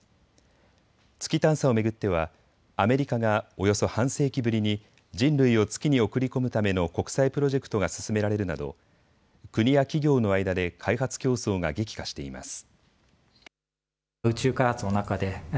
月探査を巡ってはアメリカがおよそ半世紀ぶりに人類を月に送り込むための国際プロジェクトが進められるなど国や企業の間で開発競争が激化しています。